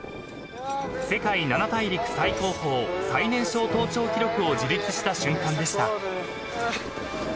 ［世界七大陸最高峰最年少登頂記録を樹立した瞬間でした］